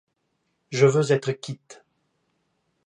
Je veux être quitte.